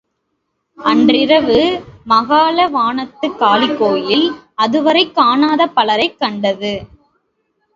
அன்றிரவு மாகாள வனத்துக் காளிகோயில் அதுவரை காணாத பலரைக் கண்டது.